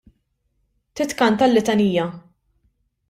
Titkanta l-litanija.